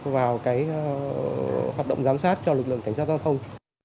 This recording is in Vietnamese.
vào hoạt động giám sát cho lực lượng cảnh sát giao thông